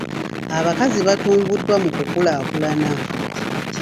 Abakazi batumbuddwa mu kukulaakulana.